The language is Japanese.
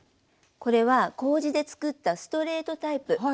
これはこうじで作ったストレートタイプ。